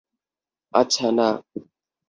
আচ্ছা, না।